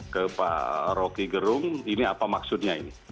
ke pak rocky gerung ini apa maksudnya ini